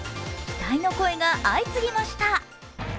期待の声が相次ぎました。